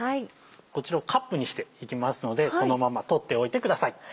こちらをカップにしていきますのでこのまま取っておいてください。